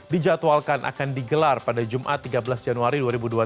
dijadwalkan akan digelar pada jumat tiga belas januari dua ribu dua puluh